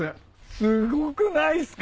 すごくないっすか？